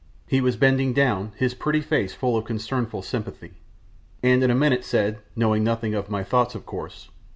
He was bending down, his pretty face full of concernful sympathy, and in a minute said knowing nothing of my thoughts, of course.